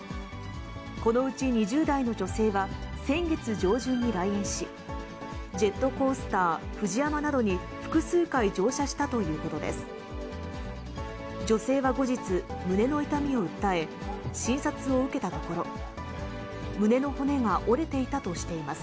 このうち２０代の女性は、先月上旬に来園し、ジェットコースター、フジヤマなどに複数回乗車したということです。